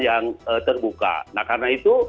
yang terbuka nah karena itu